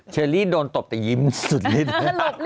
เชอรี่โดนตบแต่ยิ้มสุดลิ้น